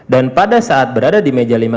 dan pada saat berada di meja